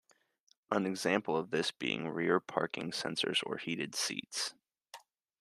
An example of this being rear parking sensors or heated seats.